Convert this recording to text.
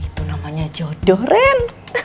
itu namanya jodoh ren